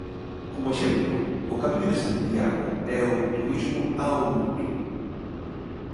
Como exemplo, o Camiño de Santiago e o turismo ao bruto.